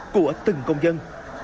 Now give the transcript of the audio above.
của từng công dân